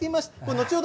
後ほど